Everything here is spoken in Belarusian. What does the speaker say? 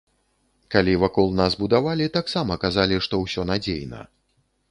Калі вакол нас будавалі, таксама казалі, што ўсё надзейна.